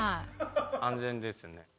安全ですね。